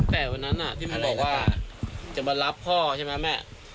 แต่วันนั้นที่มันบอกว่าจะมารับพ่อใช่ไหมแม่